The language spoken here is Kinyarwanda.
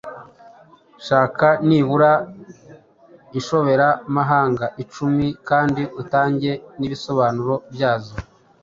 Shaka nibura inshoberamahanga icumi kandi utange n’ibisobanuro byazo.